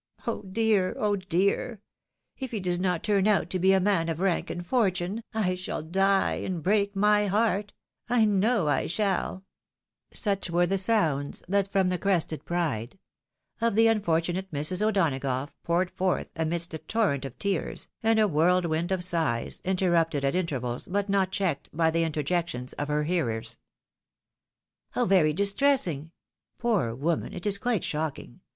Oh dear ! Oh dear ! K he does not turn out to be a man of rank and fortune I shall die and break my heart — ^I know I shall 1 " Such were the sounds that from the crested pride of the unfortunate Mrs. O'Donagough poured forth amidst a torrent of tears, and a whirlwind of sighs, interrupted at inter vaJs, but not checked, by the interjectioDS of her hearers. " How very distressing !"" Poor woman ! It is quite shocking